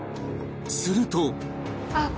すると